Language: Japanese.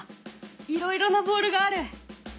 いろいろなボールがある！